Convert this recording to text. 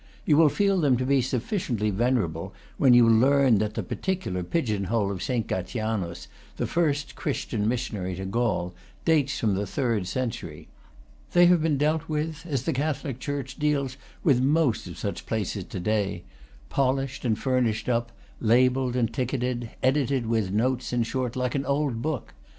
You will feel them to be sufficiently venerable when you learn that the particular pigeon hole of Saint Gatianus, the first Christian missionary to Gaul, dates from the third century. They have been dealt with as the Catholic church deals with most of such places to day; polished and furnished up; labelled and ticketed, edited, with notes, in short, like an old book.